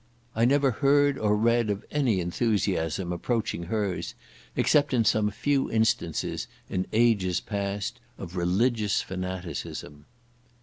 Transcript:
I never heard or read of any enthusiasm approaching her's, except in some few instances, in ages past, of religious fanaticism.